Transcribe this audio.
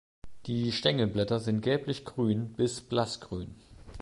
Die Stängelblätter sind gelblich grün bis blassgrün.